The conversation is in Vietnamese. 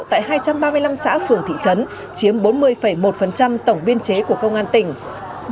tại hai trăm ba mươi năm xã phường thị trấn chiếm bốn mươi một tổng biên chế của công an tỉnh